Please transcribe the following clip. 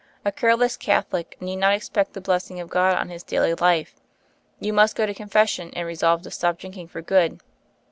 A careless Catholic need not expect the blessing of God on his daily life. You must go to con fession and resolve to stop drinking for good."